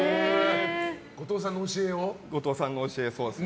後藤さんの教えですね。